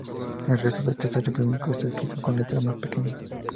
El resto del texto bíblico está escrito con letras más pequeñas.